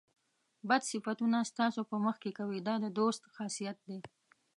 بد صفتونه ستاسو په مخ کې کوي دا د دوست خاصیت دی.